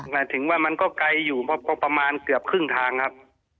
หมายถึงว่ามันก็ไกลอยู่ประมาณเกือบครึ่งทางครับ